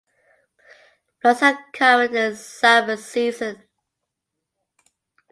Floods are common in the summer season.